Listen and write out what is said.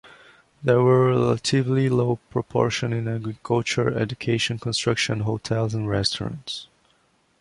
There were a relatively low proportion in agriculture, education, construction, hotels and restaurants.